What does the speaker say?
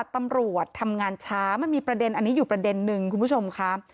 ตำรวจทำงานช้ามันมีประเด็นอันนี้อยู่ประเด็นนึงคุณผู้ชมค่ะ